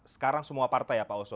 sekarang semua partai ya pak oso